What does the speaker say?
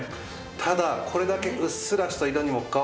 ただこれだけうっすらした色にもかかわらず。